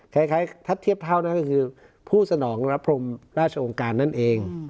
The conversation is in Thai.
คล้ายถ้าเทียบเท่านั้นก็คือผู้สนองรับพรมราชองค์การนั่นเอง